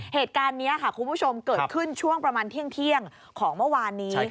เหตุการณ์นี้ค่ะคุณผู้ชมเกิดขึ้นช่วงประมาณเที่ยงของเมื่อวานนี้